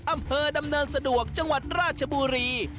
อำเภอดำเนินสะดวกจังหวัดราชบุรี